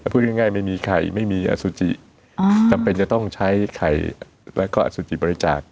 พูดง่ายไม่มีไข่ไม่มีอสุจิจำเป็นจะต้องใช้ไข่แล้วก็อสุจิบริจาค